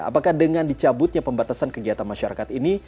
apakah dengan dicabutnya pembatasan kegiatan masyarakat ini